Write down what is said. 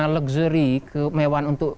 luxury kemewahan untuk